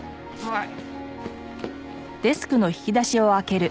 はい。